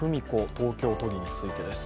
東京都議についてです。